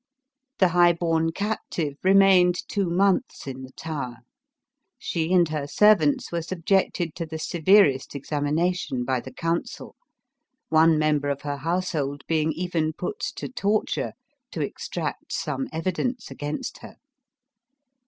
The high born captive remained two months in the Tower. She and her servants were subjected to the severest examination by the council, one member of her household being even put to torture to extract some evidence against her.